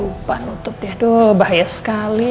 lupa nutup deh aduh bahaya sekali